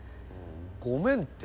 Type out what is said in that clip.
ごめんて。